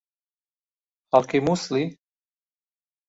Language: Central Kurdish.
خەڵکی مووسڵی؟